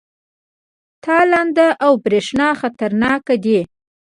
تالنده او برېښنا خطرناک دي؟